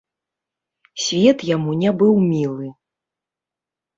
Свет яму не быў мілы.